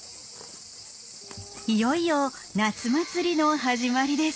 いよいよ夏祭りの始まりです。